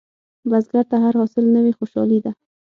بزګر ته هر حاصل نوې خوشالي ده